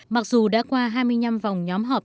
mặc dù đã qua hai mươi năm vòng nhóm họp